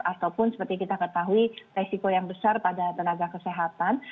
ataupun seperti kita ketahui resiko yang besar pada tenaga kesehatan